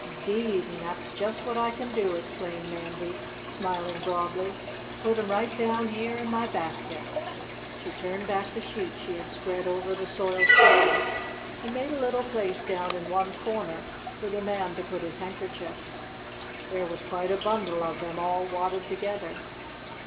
"'Deed an' dat's just what I can do!" exclaimed Mandy, smiling broadly. "Put 'em right down yeah in mah basket!" She turned back the sheet she had spread over the soiled clothes and made a little place down in one corner for the Man to put his handkerchiefs. There was quite a bundle of them, all wadded together.